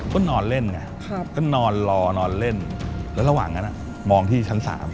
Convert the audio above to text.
ก็นอนเล่นไงก็นอนรอนอนเล่นแล้วระหว่างนั้นมองที่ชั้น๓